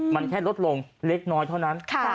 มันแค่ลดลงเล็กน้อยเท่านั้น